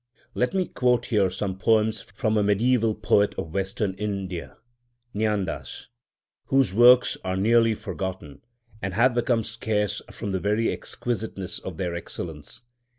Let me quote here some poems from a mediæval poet of Western India—Jnândâs—whose works are nearly forgotten, and have become scarce from the very exquisiteness of their excellence.